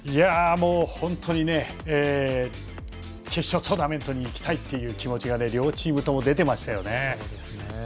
もう本当に決勝トーナメントに行きたいという気持ちが両チームとも出てましたよね。